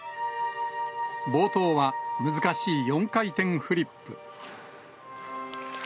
冒頭は、難しい４回転フリップ。